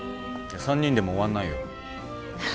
３人でも終わんないよ。